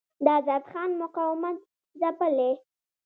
د آزاد خان مقاومت ځپلی.